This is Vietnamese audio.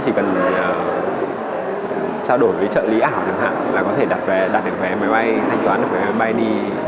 thanh toán được vé máy bay đi để đi du lịch hướng dẫn